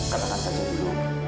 katakan saja dulu